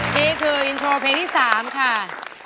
มูลค่า๔๐๐๐๐บาท